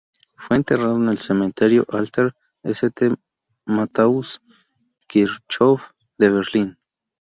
Fue enterrado en el Cementerio Alter St.-Matthäus-Kirchhof de Berlín.